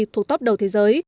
thuộc tóp đầu tiên